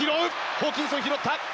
ホーキンソン拾った！